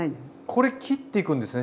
これ切っていくんですね